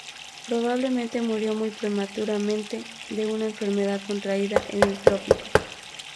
Probablemente murió muy prematuramente, de una enfermedad contraída en el trópico.